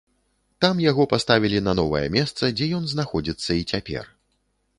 Там яго паставілі на новае месца, дзе ён знаходзіцца і цяпер.